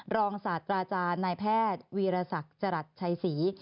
รองศาสตราจารย์นายแพทย์วีรศักดิ์จรัสชัยศรี